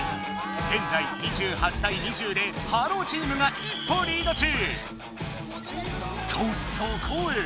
現在２８対２０でハローチームが一歩リード中！とそこへ！